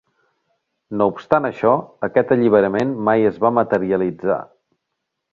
No obstant això, aquest alliberament mai es va materialitzar.